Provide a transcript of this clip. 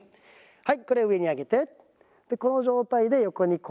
はい。